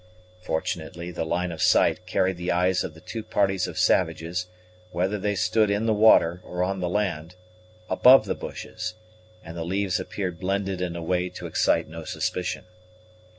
Fortunately the line of sight carried the eyes of the two parties of savages, whether they stood in the water or on the land, above the bushes, and the leaves appeared blended in a way to excite no suspicion.